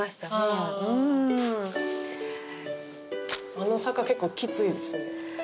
あぁあの坂結構きついですね